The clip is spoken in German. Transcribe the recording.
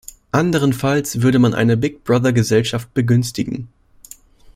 Anderenfalls würde man eine Big-Brother-Gesellschaft begünstigen.